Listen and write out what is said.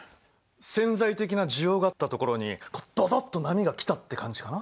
潜在的な需要があったところにドドッと波が来たって感じかな。